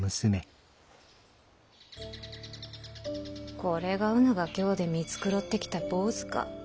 これがうぬが京で見繕ってきた坊主か。